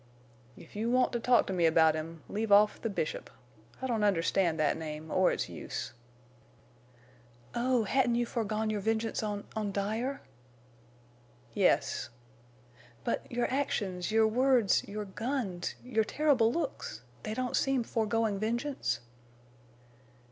"If you want to talk to me about him—leave off the Bishop. I don't understand that name, or its use." "Oh, hadn't you foregone your vengeance on—on Dyer?" "Yes." "But—your actions—your words—your guns—your terrible looks!... They don't seem foregoing vengeance?"